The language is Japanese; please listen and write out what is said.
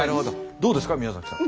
どうですか宮崎さん。